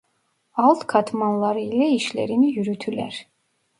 Alt katmanları ile işlerini yürütürler.